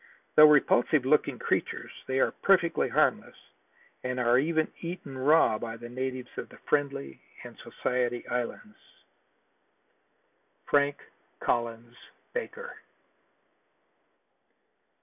Though repulsive looking creatures they are perfectly harmless and are even eaten raw by the natives of the Friendly and the Society Islands. Frank Collins Baker.